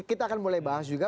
kita akan mulai bahas juga